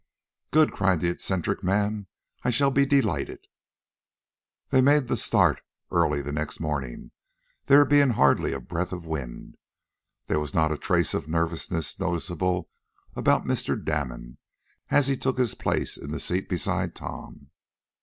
"Good!" cried the eccentric man. "I shall be delighted." They made the start early the next morning, there being hardly a breath of wind. There was not a trace of nervousness noticeable about Mr. Damon, as he took his place in the seat beside Tom.